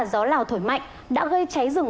gió lào thổi mạnh đã gây cháy rừng